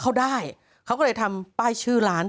เขาได้เขาก็เลยทำป้ายชื่อร้าน